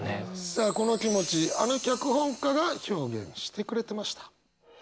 さあこの気持ちあの脚本家が表現してくれてました。